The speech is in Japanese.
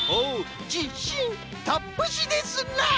「じしん」たっぷしですな！